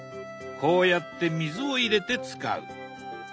こうやって水を入れて使う。